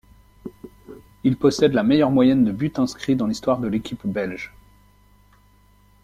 Il possède la meilleure moyenne de but inscrit dans l'histoire de l'équipe belge.